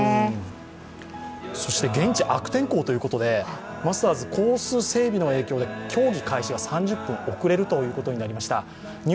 そして、現地、悪天候ということでマスターズコース整備の影響で競技開始が３０分遅れることになりました。